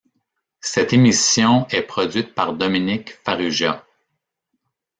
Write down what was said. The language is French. Cette émission est produite par Dominique Farrugia.